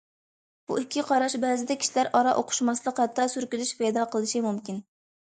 بۇ ئىككى قاراش بەزىدە كىشىلەر ئارا ئۇقۇشماسلىق، ھەتتا سۈركىلىش پەيدا قىلىشى مۇمكىن.